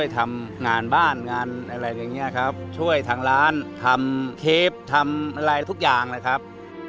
ทำงานบ้านอย่างเงียบช่วยทางร้านทำเคปทำทุกอย่างนะครับ